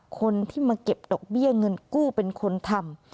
คนที่มาเก็บดอกเบี้ยเงินกู้เป็นคนทำ